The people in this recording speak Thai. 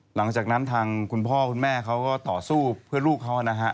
หลังจากนั้นทางคุณพ่อคุณแม่เขาก็ต่อสู้เพื่อลูกเขานะฮะ